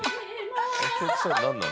お客さんなんなの？